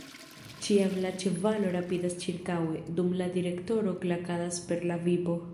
Ĉiam la ĉevalo rapidas ĉirkaŭe, dum la direktoro klakadas per la vipo.